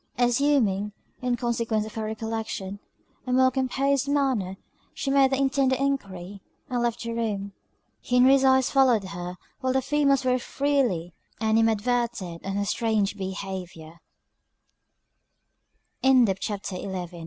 Assuming, in consequence of her recollection, a more composed manner, she made the intended enquiry, and left the room. Henry's eyes followed her while the females very freely animadverted on her strange behaviour.